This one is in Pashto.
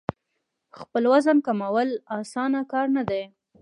خپل وزن کمول اسانه کار نه دی.